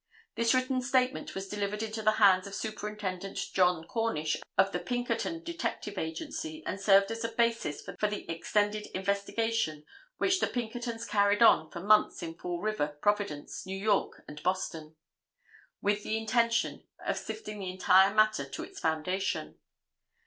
This written statement was delivered into the hands of Superintendent John Cornish of the Pinkerton Detective Agency, and served as a basis for an extended investigation which the Pinkerton's carried on for months in Fall River, Providence, New York and Boston, with the intention of sifting the entire matter to its foundation.